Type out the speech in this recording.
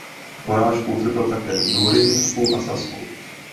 Porážku utrpěl také v Durynsku a Sasku.